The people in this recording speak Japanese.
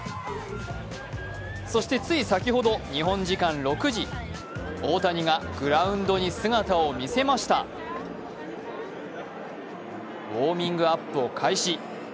そしてつい先ほど日本時間６時、大谷がグラウンドに姿を見せましたウオーミングアップを開始。